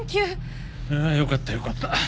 あよかったよかった。